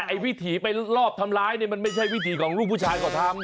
วิถีไปรอบทำร้ายเนี่ยมันไม่ใช่วิถีของลูกผู้ชายเขาทำ